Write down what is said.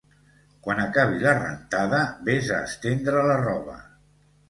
Quan acabi la rentada ves a estendre la roba